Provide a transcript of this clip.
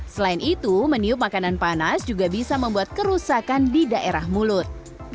selain itu meniup makanan panas juga bisa membuat kerusakan di daerah mulut